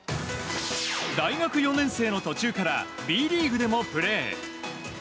大学４年生の途中からＢリーグでもプレー。